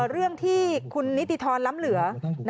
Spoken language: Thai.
เรื่องที่คุณนิติธรรมล้ำเหลือ